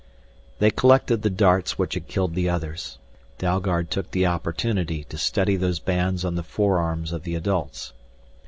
They collected the darts which had killed the others. Dalgard took the opportunity to study those bands on the forearms of the adults.